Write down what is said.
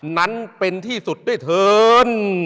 นั้นเป็นที่สุดด้วยเถิน